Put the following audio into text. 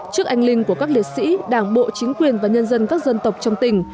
trước anh linh của các liệt sĩ đảng bộ chính quyền và nhân dân các dân tộc trong tỉnh